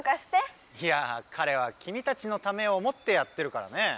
いやあかれはきみたちのためを思ってやってるからねえ。